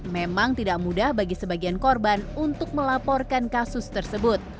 memang tidak mudah bagi sebagian korban untuk melaporkan kasus tersebut